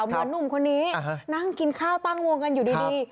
หนุ่มคนนี้นั่งกินข้าวตั้งวงกันอยู่ดี